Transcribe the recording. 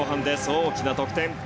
大きな得点。